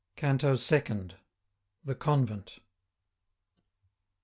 CANTO SECOND. THE CONVENT.